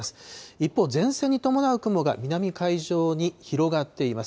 一方、前線に伴う雲が南海上に広がっています。